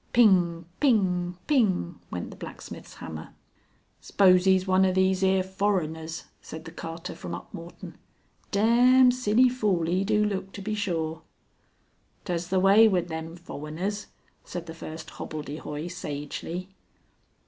"Ping, ping, ping," went the blacksmith's hammer. "Spose he's one of these here foweners," said the carter from Upmorton. "Däamned silly fool he do look to be sure." "Tas the way with them foweners," said the first hobbledehoy sagely.